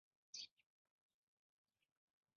ـ یو انار او سل بیمار.